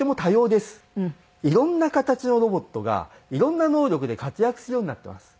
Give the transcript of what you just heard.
いろんな形のロボットがいろんな能力で活躍するようになってます。